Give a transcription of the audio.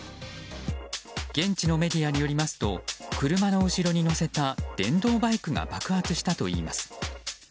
現地のメディアによりますと車の後ろに載せた電動バイクが爆発したといいます。